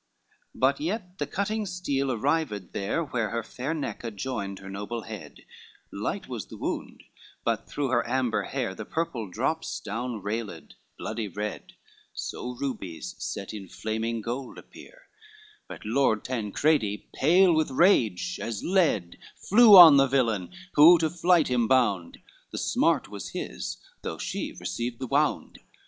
XXX But yet the cutting steel arrived there, Where her fair neck adjoined her noble head, Light was the wound, but through her amber hair The purple drops down railed bloody red, So rubies set in flaming gold appear: But Lord Tancredi, pale with rage as lead, Flew on the villain, who to flight him bound; The smart was his, though she received the wound.